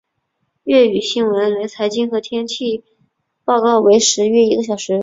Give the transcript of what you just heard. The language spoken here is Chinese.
粤语新闻连财经和天气报告为时约一小时。